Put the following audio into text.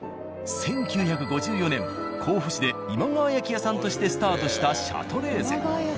１９５４年甲府市で今川焼き屋さんとしてスタートした「シャトレーゼ」。